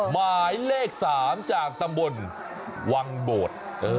หมายเลข๓จากตำบลวังโบด